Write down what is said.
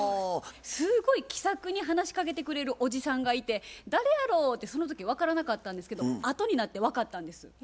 すごい気さくに話しかけてくれるおじさんがいて「誰やろ？」ってその時分からなかったんですけど後になって分かったんです。